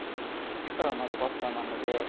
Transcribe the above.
力のあるバッターなので。